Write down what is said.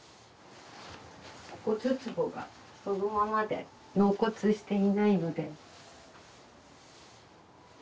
お骨つぼがそのままで納骨していないので。